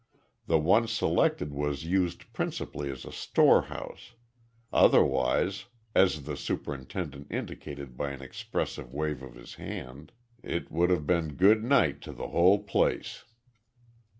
The one selected was used principally as a storehouse. Otherwise, as the superintendent indicated by an expressive wave of his hand, "it would have been good night to the whole place."